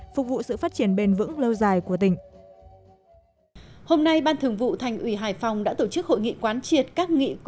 phục vụ sự phát triển bền vững lâu dài của tỉnh